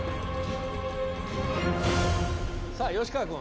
さあ吉川君。